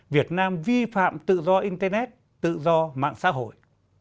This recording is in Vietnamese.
việt nam vi phạm tự do internet tự do mạng xã hội